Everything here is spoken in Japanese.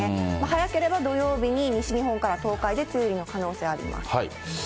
早ければ土曜日に西日本から東海で梅雨入りの可能性あります。